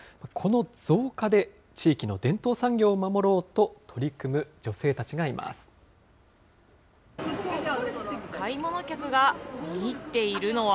この造花で地域の伝統産業を守ろうと取り組む女性たちがいます。